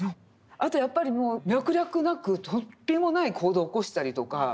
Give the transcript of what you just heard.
あとやっぱり脈絡なく突飛もない行動を起こしたりとか